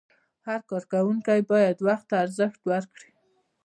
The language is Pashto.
هر کارکوونکی باید وخت ته ارزښت ورکړي.